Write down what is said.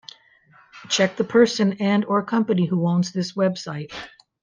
Check the person and/or company who owns this website.